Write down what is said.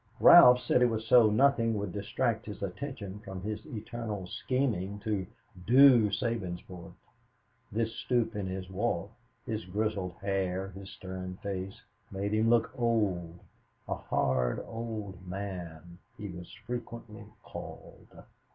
Ralph said it was so nothing would distract his attention from his eternal scheming to "do" Sabinsport. This stoop in his walk, his grizzled hair, his stern face, made him look old a "hard old man" he was frequently called.